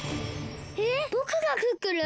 えぼくがクックルン！？